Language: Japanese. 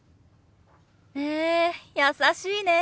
へえ優しいね。